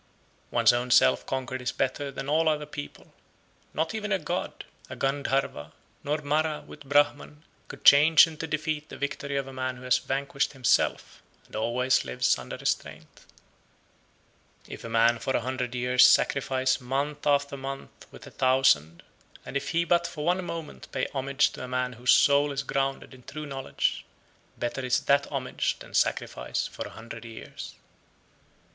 104, 105. One's own self conquered is better than all other people; not even a god, a Gandharva, not Mara with Brahman could change into defeat the victory of a man who has vanquished himself, and always lives under restraint. 106. If a man for a hundred years sacrifice month after month with a thousand, and if he but for one moment pay homage to a man whose soul is grounded (in true knowledge), better is that homage than sacrifice for a hundred years.